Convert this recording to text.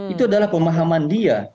itu adalah pemahaman dia